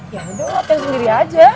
ya udah latihan sendiri aja